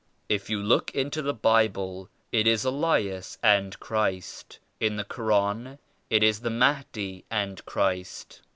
If you look into the Bible it is Elias and Christ; in the Koran it is the Mahdi and Christ.